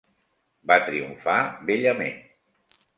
Va triomfar bellament.